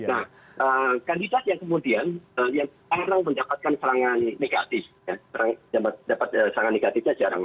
nah kandidat yang kemudian yang jarang mendapatkan serangan negatif dapat serangan negatifnya jarang